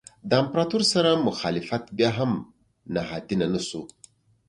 د امپراتور سره مخالفت بیا هم نهادینه نه شو.